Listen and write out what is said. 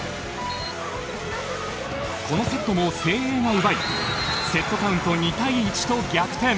このセットも誠英が奪いセットカウント２対１と逆転。